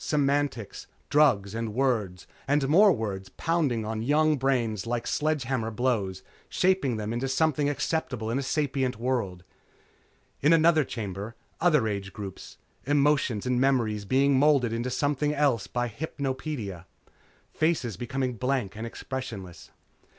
Semantics. Drugs and words and more words pounding on young brains like sledgehammer blows, shaping them into something acceptable in a sapient world. In other chambers, other age groups. Emotion and memory being moulded into something else by hypnopedia. Faces becoming blank and expressionless.